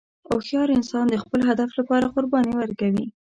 هوښیار انسان د خپل هدف لپاره قرباني ورکوي.